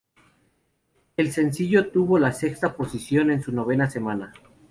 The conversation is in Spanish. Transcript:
El sencillo obtuvo la sexta posición en su novena semana.